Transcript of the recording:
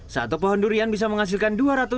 satu pohon durian bisa menghasilkan dua ratus juta